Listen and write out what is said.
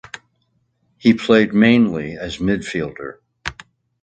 He played mainly as midfielder.